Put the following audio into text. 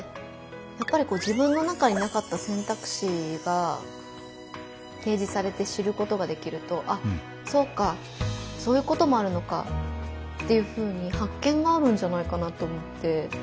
やっぱり自分の中になかった選択肢が提示されて知ることができるとあっそうかそういうこともあるのかっていうふうに発見があるんじゃないかなと思って。